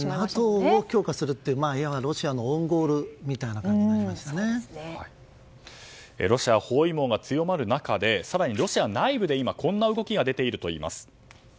ＮＡＴＯを強化するというロシアのオウンゴールみたいにロシア包囲網が強まる中で更にロシア内部で今こんな動きが出ているといいます。